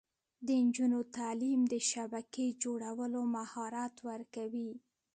د نجونو تعلیم د شبکې جوړولو مهارت ورکوي.